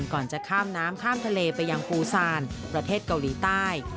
ก่อนจะข้ามน้ำข้ามทะเลไปยังภูซานประเทศเกาหลีใต้